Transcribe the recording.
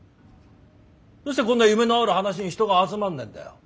どうしてこんな夢のある話に人が集まんねえんだよ。